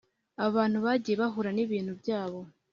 abantu bagiye bahura n’ibintu byabo